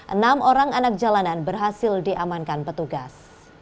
enam orang anak jalanan berhasil diamankan petugas